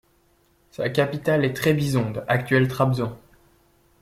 Sa capitale est Trébizonde, actuelle Trabzon.